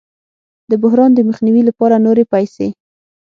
د بحران د مخنیوي لپاره نورې پیسې